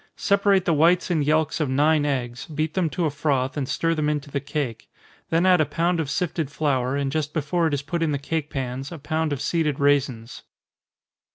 Separate the whites and yelks of nine eggs, beat them to a froth, and stir them into the cake then add a pound of sifted flour, and just before it is put in the cake pans, a pound of seeded raisins.